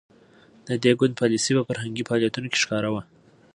د دې ګوند پالیسي په فرهنګي فعالیتونو کې ښکاره وه.